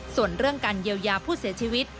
ส่วนเรื่องการเยียวยาผู้เสียชีวิต